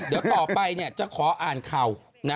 เดี๋ยวต่อไปจังขออ่านเขา